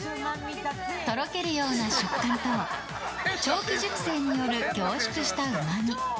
とろけるような食感と長期熟成による凝縮したうまみ。